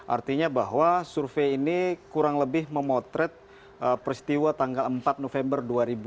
artinya bahwa survei ini kurang lebih memotret peristiwa tanggal empat november dua ribu dua puluh